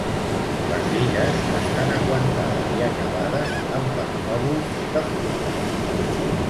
Les bigues estan aguantades i acabades amb permòdols de fusta.